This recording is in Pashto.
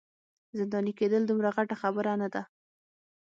زنداني کیدل دومره غټه خبره نه ده.